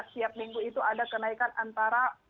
setiap minggu itu ada kenaikan antara